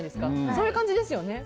そういう感じですよね。